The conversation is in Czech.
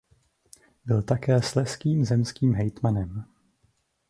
Byl také slezským zemským hejtmanem.